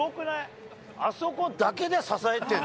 ろあそこだけで支えてる。